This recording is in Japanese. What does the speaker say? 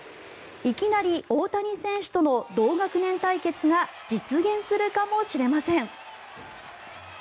いきなり大谷選手との同学年対決が実現するかもしれません。